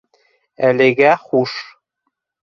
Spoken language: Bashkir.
Әлегә хуш.